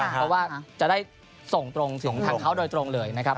เพราะว่าจะได้ส่งตรงถึงทางเขาโดยตรงเลยนะครับ